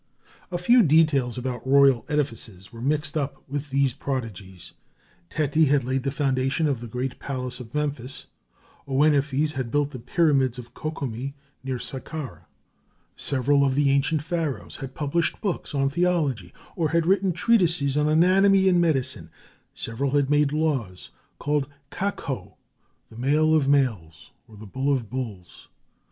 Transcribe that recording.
A few details about royal edifices were mixed up with these prodigies. Teti had laid the foundation of the great palace of Memphis, Ouenephes had built the pyramids of Ko kome near Saqqara. Several of the ancient Pharaohs had published books on theology, or had written treatises on anatomy and medicine; several had made laws called Kakôû, the male of males, or the bull of bulls.